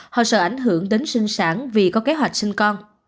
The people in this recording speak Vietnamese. họ sợ ảnh hưởng đến sinh sản vì có kế hoạch sinh con